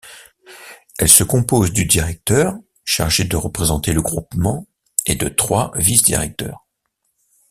Elle se compose du directeur, chargé de représenter le groupement, et de trois vice-directeurs.